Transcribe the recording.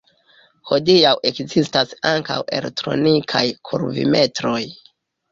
Hodiaŭ ekzistas ankaŭ elektronikaj kurvimetroj.